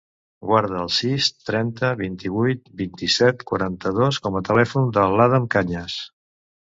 Guarda el sis, trenta, vint-i-vuit, vint-i-set, quaranta-dos com a telèfon de l'Adam Cañas.